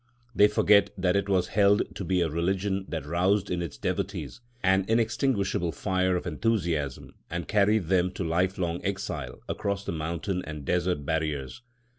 They forget that it was held to be a religion that roused in its devotees an inextinguishable fire of enthusiasm and carried them to lifelong exile across the mountain and desert barriers.